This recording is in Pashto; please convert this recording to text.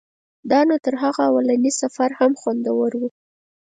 دا نو تر هغه اولني سفر هم خوندور و.